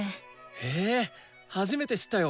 へえ初めて知ったよ。